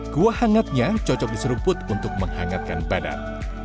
kuah hangatnya cocok diserumput untuk menghangatkan badan